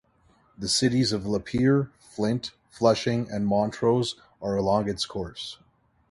The cities of Lapeer, Flint, Flushing, and Montrose are along its course.